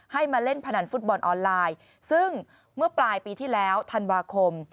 มาเล่นพนันฟุตบอลออนไลน์ซึ่งเมื่อปลายปีที่แล้วธันวาคม